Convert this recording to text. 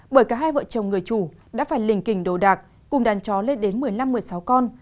bởi cả hai vợ chồng người chủ đã phải lình kình đồ đạc cùng đàn chó lên đến một mươi năm một mươi sáu con